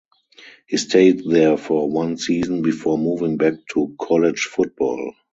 He stayed there for one season before moving back to college football.